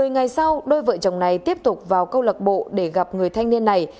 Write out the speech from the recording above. một mươi ngày sau đôi vợ chồng này tiếp tục vào câu lạc bộ để gặp người thanh niên này